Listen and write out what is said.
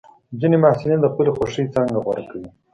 ځینې محصلین د خپلې خوښې څانګه غوره کوي.